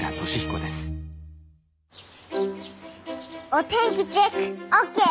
お天気チェックオーケー！